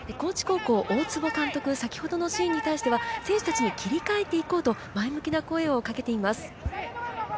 雫石さん、高知高校の大坪監督、先ほどのシーンに対しては、選手たちに切り替えていこうと前向きな声をかけています。